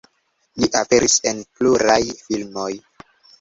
Li aperis en pluraj filmoj.